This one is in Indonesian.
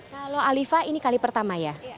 kalau alifa ini kali pertama ya